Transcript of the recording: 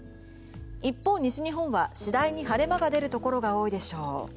一方、西日本は次第に晴れ間が出るところが多いでしょう。